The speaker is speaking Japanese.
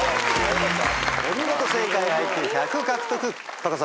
お見事正解ＩＱ１００獲得。